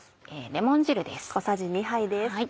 レモン汁です。